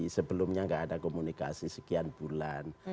sebelumnya nggak ada komunikasi sekian bulan